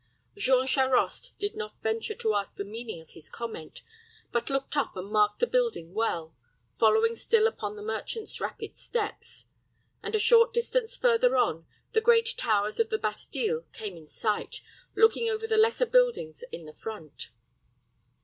Jean Charost did not venture to ask the meaning of his comment, but looked up and marked the building well, following still upon the merchant's rapid steps; and a short distance further on the great towers of the Bastile came in sight, looking over the lesser buildings in the front.